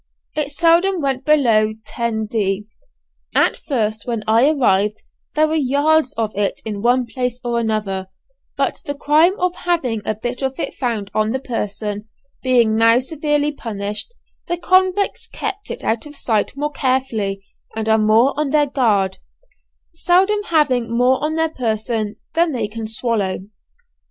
It seldom went below 10_d._ At first when I arrived, there were yards of it in one place or another, but the crime of having a bit of it found on the person, being now severely punished, the convicts keep it out of sight more carefully and are more on their guard, seldom having more on their person than they can swallow.